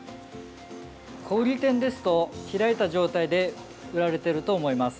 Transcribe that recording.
小売店ですと開いた状態で売られていると思います。